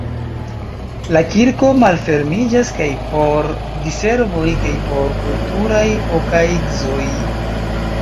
La kirko malfermiĝas kaj por diservoj kaj por kulturaj okaigzoj.